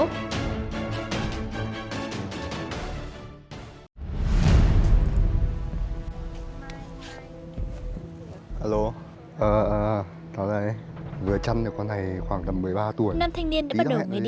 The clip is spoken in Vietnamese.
năm thanh niên đã bắt đầu gửi điện với những lời lẽ khả nghi